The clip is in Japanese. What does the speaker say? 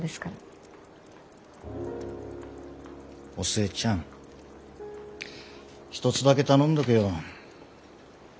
お寿恵ちゃん一つだけ頼んどくよ。